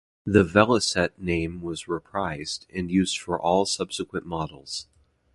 The "Velocette" name was reprised, and used for all subsequent models.